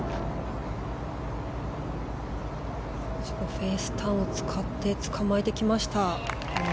フェースターンを使ってつかまえてきました。